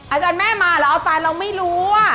อาจารย์แม่มาแล้วตายแล้วไม่รู้อ่ะ